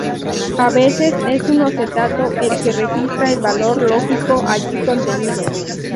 A veces, es un octeto el que registra el valor lógico allí contenido.